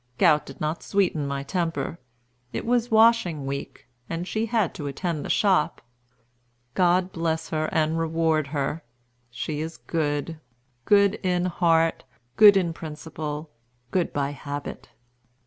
Gout did not sweeten my temper. It was washing week, and she had to attend the shop. God bless her, and reward her. She is good; good in heart, good in principle, good by habit."